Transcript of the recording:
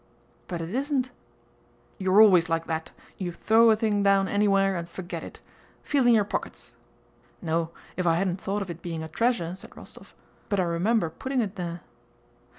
"But it isn't?..." "You're always like that; you thwow a thing down anywhere and forget it. Feel in your pockets." "No, if I hadn't thought of it being a treasure," said Rostóv, "but I remember putting it there."